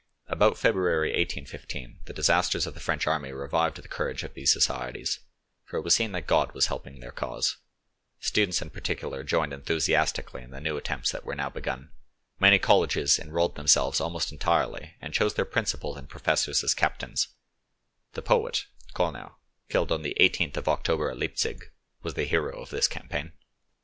About February 1815 the disasters of the French army revived the courage of these societies, for it was seen that God was helping their cause: the students in particular joined enthusiastically in the new attempts that were now begun; many colleges enrolled themselves almost entire, anal chose their principals and professors as captains; the poet, Korner, killed on the 18th of October at Liegzig, was the hero of this campaign.